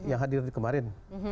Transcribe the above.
yang hadir kemarin